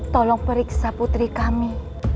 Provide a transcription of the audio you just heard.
tolong periksa putri kami